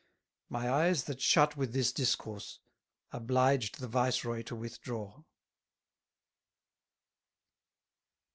My Eyes that shut with this Discourse, obliged the Vice Roy to withdraw.